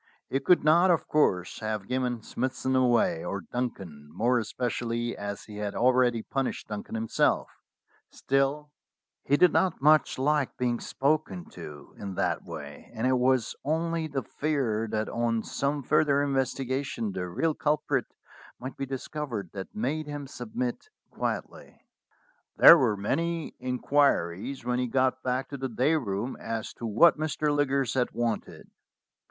He could not, of course, have given Smithson away, or Duncan, more especially as he had already punished Duncan himself; still, he did THE CELESTIAL'S EDITORSHIP 237 not much like being spoken to in that way, and it was only the fear that on some further investigation the real culprit might be discovered that made him submit quietly. There were many inquiries when he got back to the day room as to what Mr. Liggers had wanted.